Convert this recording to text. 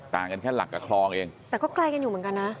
กันแค่หลักกับคลองเองแต่ก็ไกลกันอยู่เหมือนกันนะ